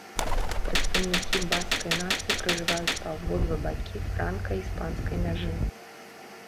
Прадстаўнікі баскскай нацыі пражываюць па абодва бакі франка-іспанскай мяжы.